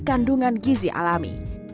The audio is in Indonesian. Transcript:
kandungan gizi alami